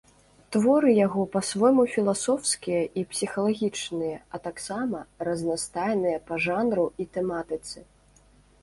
Творы яго па-свойму філасофскія і псіхалагічныя, а таксама разнастайныя па жанру і тэматыцы.